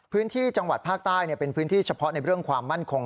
พื้นที่จังหวัดภาคใต้เป็นพื้นที่เฉพาะในเรื่องความมั่นคง